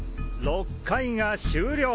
６回が終了。